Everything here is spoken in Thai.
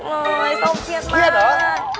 เหี้ยงเยอะมากเนียโซมเหี้ยงมาก